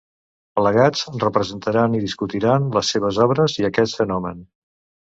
Plegats, representaran i discutiran les seves obres i aquest fenomen.